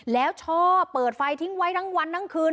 แล้วช่อเปิดไฟทิ้งไว้ทั้งวันทั้งคืน